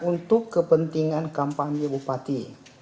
untuk kepentingan kampanye bupati